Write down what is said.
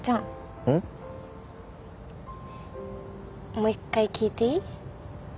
もう一回聞いていい？